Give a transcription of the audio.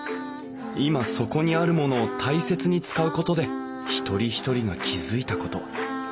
今そこにあるものを大切に使うことで一人一人が気付いたこと。